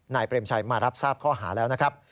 เปรมชัยมารับทราบข้อหาแล้วนะครับ